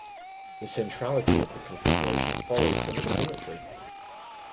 The centrality of the configuration follows from its symmetry.